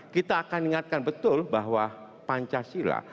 kita akan ingatkan betul bahwa pancasila